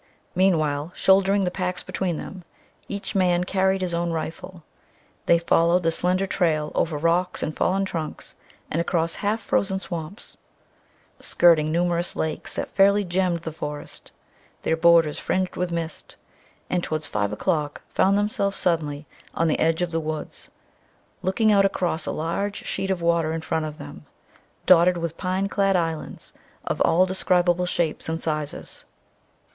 Meanwhile, shouldering the packs between them, each man carrying his own rifle, they followed the slender trail over rocks and fallen trunks and across half frozen swamps; skirting numerous lakes that fairly gemmed the forest, their borders fringed with mist; and towards five o'clock found themselves suddenly on the edge of the woods, looking out across a large sheet of water in front of them, dotted with pine clad islands of all describable shapes and sizes.